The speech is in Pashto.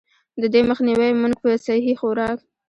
د دې مخ نيوے مونږ پۀ سهي خوراک ،